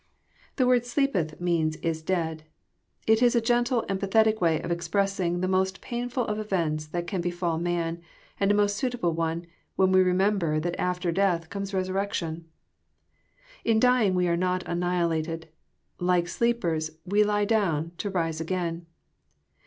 The word <<sleepeth" means, <Ms dead." It Is a gentle and pathetic way of expressing the most painfhl of events that can befall man, and a most suitable one, when we remember that after death comes resurrection. In dy ing we are not annihilated. I^ike sleepers, we lie down, to rise again.